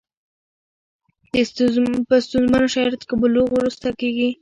په ستونزمنو شرایطو کې بلوغ وروسته کېږي.